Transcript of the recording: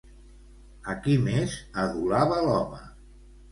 A qui més adulava l'home?